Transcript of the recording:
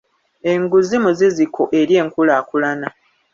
Enguzi muziziko eri enkulaakulana.